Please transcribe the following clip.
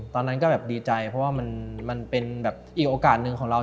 ตอนนั้นก็แบบดีใจเพราะว่ามันเป็นแบบอีกโอกาสหนึ่งของเรา